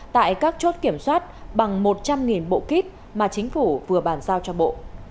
tại các chốt kiểm soát bằng một trăm linh bộ kit mà chính phủ vừa bàn giao cho bộ